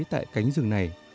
tại cánh rừng này